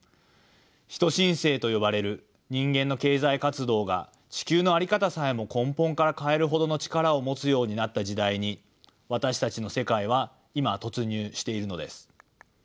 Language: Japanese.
人新世と呼ばれる人間の経済活動が地球のあり方さえも根本から変えるほどの力を持つようになった時代に私たちの世界は今突入しているのです。